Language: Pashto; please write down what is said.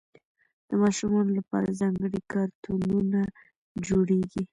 د ماشومانو لپاره ځانګړي کارتونونه جوړېږي.